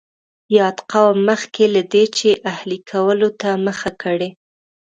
یاد قوم مخکې له دې چې اهلي کولو ته مخه کړي.